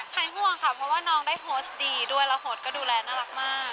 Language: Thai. หายห่วงค่ะเพราะว่าน้องได้โพสต์ดีด้วยแล้วโหดก็ดูแลน่ารักมาก